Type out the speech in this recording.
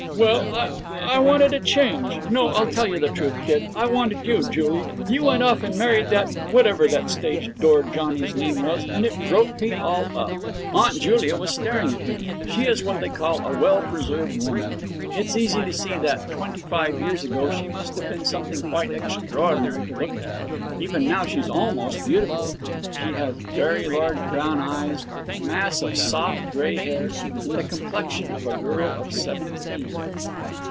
'Well, I I wanted a change. No I'll tell you the truth, kid. I wanted you, Julie. You went off and married that whatever that stage door johnny's name was and it broke me all up.' Aunt Julia was staring at him. She is what they call a well preserved woman. It's easy to see that, twenty five years ago, she must have been something quite extraordinary to look at. Even now she's almost beautiful. She has very large brown eyes, a mass of soft grey hair, and the complexion of a girl of seventeen.